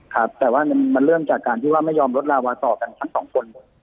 ครับแต่ว่ามันเริ่มจากการที่ว่าไม่ยอมลดลาวาต่อกันทั้งสองคน